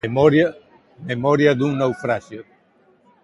Memoria dun naufraxio.